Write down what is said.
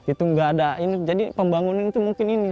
itu nggak ada jadi pembangunan itu mungkin ini